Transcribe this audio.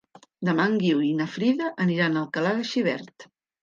Demà en Guiu i na Frida aniran a Alcalà de Xivert.